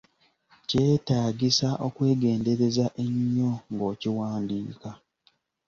Kyetaagisa okwegendereza ennyo ng'okiwandiika.